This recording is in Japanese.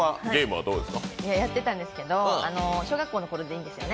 やってたんですけど、小学校のころでいいんですよね？